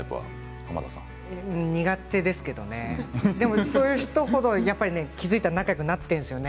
苦手ですけどねでもそういう人程気付いたら仲よくなっているんですよね。